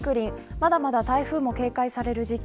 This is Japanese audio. まだまだ台風も警戒される時期。